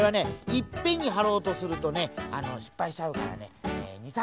いっぺんにはろうとするとねしっぱいしちゃうからね２３